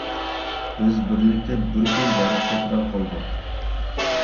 بىز بىرلىكتە بىر كۈن دەرس تەكرار قىلدۇق.